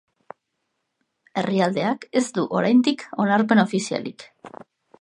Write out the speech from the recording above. Herrialdeak ez du, oraindik, onarpen ofizialik.